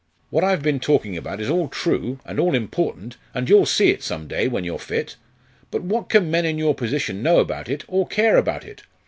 What I've been talking about is all true, and all important, and you'll see it some day when you're fit. But what can men in your position know about it, or care about it?